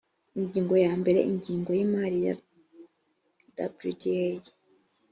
ingingo ya mbere ingengo y imari ya wda